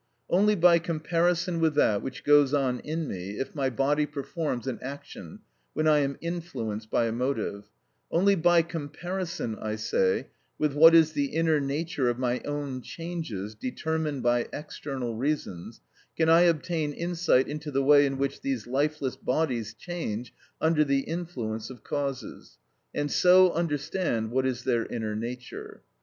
Only by comparison with that which goes on in me if my body performs an action when I am influenced by a motive—only by comparison, I say, with what is the inner nature of my own changes determined by external reasons, can I obtain insight into the way in which these lifeless bodies change under the influence of causes, and so understand what is their inner nature.